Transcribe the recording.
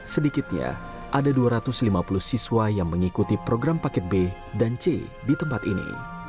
sedikitnya ada dua ratus lima puluh siswa yang mengikuti program paket b dan c di tempat ini